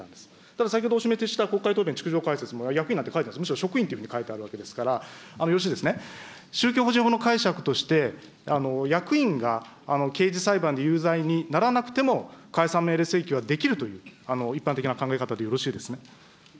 ただ、先ほどお示しした国会答弁逐条解説、役員なんて書いてない、むしろ職員と書いてあるわけですから、よろしいですね、宗教法人法の解釈として、役員が刑事裁判で有罪にならなくても、解散命令請求はできるという、一般的な考え方でよろしいですね。